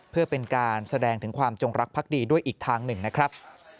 เพื่อเป็นการแสดงถึงความจงรักภักดีด้วยอีกทางหนึ่งนะครับ